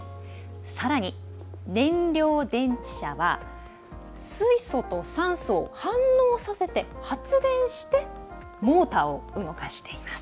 さらに、燃料電池車は水素と酸素を反応させて発電してモーターを動かしています。